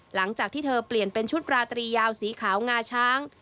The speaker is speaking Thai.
หลังจากที่เธอเปลี่ยนเป็นชุดราตรียาวสีขาวงาช้าง